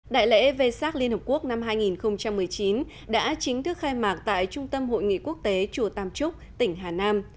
đại lễ vê sát liên hợp quốc năm hai nghìn một mươi chín đã chính thức khai mạc tại trung tâm hội nghị quốc tế chùa tam trúc tỉnh hà nam